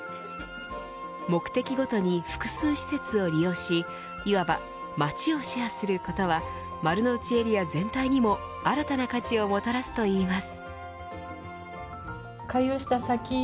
目的ごとに複数施設を利用しいわば街をシェアすることは丸の内エリア全体にも新たな価値をもたらすといいます。